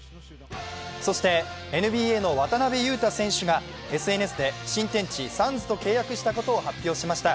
ＮＢＡの渡邊雄太選手がＳＮＳで新天地、サンズと契約したことを発表しました。